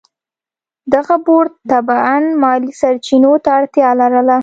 دغه بورډ طبعاً مالي سرچینو ته اړتیا لرله.